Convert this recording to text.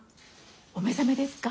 お目覚めですか？